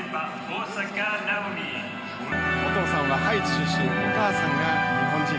お父さんはハイチ出身、お母さんが日本人。